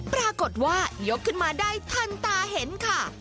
ปรากฏว่ายกขึ้นมาได้ทันตาเห็นค่ะ